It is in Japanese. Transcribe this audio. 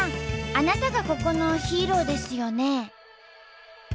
あなたがここのヒーローですよね？